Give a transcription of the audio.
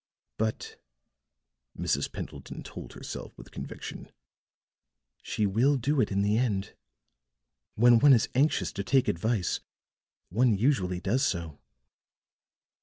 "But," Mrs. Pendleton told herself with conviction, "she will do it in the end. When one is anxious to take advice, one usually does so."